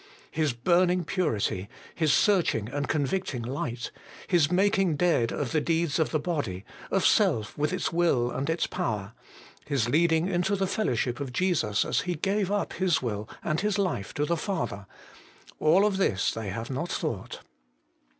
His burning purity, His searching and convicting light, His making dead of the deeds of the body, of self with its will and its power, His leading into the fellow ship of Jesus as He gave up His will and His life to the Father, of all this they have not thought.